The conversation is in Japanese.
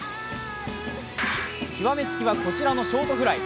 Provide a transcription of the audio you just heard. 極めつきはこちらのショートフライ。